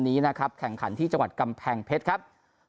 นี้นะครับแข่งขันที่จังหวัดกำแพงเพชรครับ